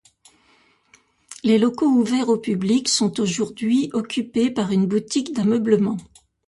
Les locaux ouverts au public sont aujourd'hui occupés par une boutique d'ameublement.